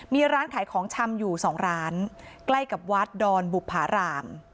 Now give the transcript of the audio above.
มีร้านขายของชำอยู่๒ร้านใกล้กับวัดดอนบุภาราม